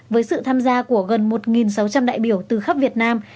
với sự tham gia của gần một sáu trăm linh đại biểu từ khắp việt nam